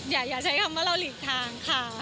อย่าใช้คำว่าเราหลีกทางค่ะ